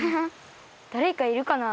だれかいるかな？